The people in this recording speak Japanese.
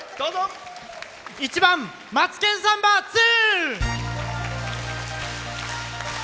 １番「マツケンサンバＩＩ」。